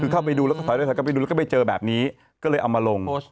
คือเข้าไปดูแล้วก็ถอยรถถอยกลับไปดูแล้วก็ไปเจอแบบนี้ก็เลยเอามาลง